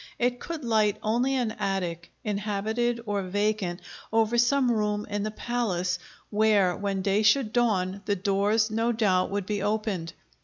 It could light only an attic, inhabited or vacant, over some room in the palace, where, when day should dawn, the doors no doubt would be opened.